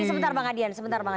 ini sebentar bang adrian sebentar